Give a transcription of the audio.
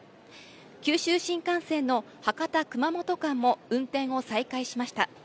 九州新幹線の博多−熊本間も運転を再開しました。